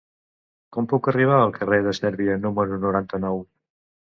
Com puc arribar al carrer de Sèrbia número noranta-nou?